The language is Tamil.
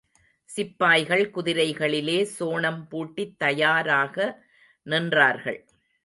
சிப்பாய்கள் குதிரைகளிலே சேணம் பூட்டித் தயாராக நின்றார்கள்.